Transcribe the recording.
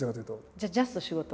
じゃあジャスト仕事。